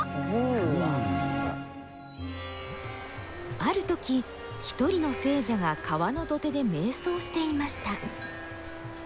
あるとき一人の聖者が川の土手でめい想していました。